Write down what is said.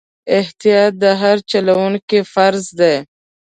احتیاط د هر چلوونکي فرض دی.